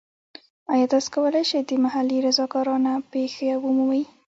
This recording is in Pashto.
ایا تاسو کولی شئ د محلي رضاکارانه پیښه ومومئ؟